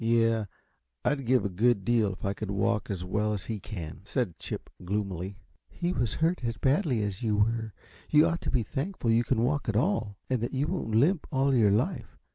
"Yes; I'd give a good deal if I could walk as well as he can," said Chip, gloomily. "He wasn't hurt as badly as you were. You ought to be thankful you can walk at all, and that you won't limp all your life.